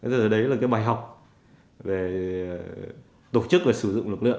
bây giờ đấy là cái bài học về tổ chức và sử dụng lực lượng